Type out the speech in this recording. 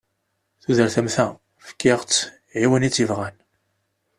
Tudert am ta, fkiɣ-tt i win i tt-yebɣan.